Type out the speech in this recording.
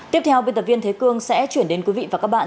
tiếp theo biên tập viên thế cương sẽ chuyển đến quý vị và các bạn